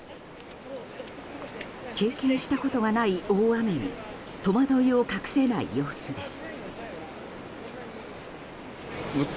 経験したことがない大雨に戸惑いを隠せない様子です。